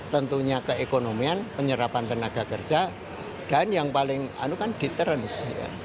tentunya keekonomian penyerapan tenaga kerja dan yang paling anu kan deterence